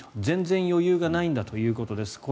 全然余裕がないんだということです。